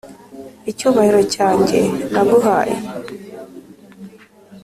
icyubahiro cyanjye naguhaye